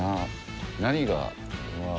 何が。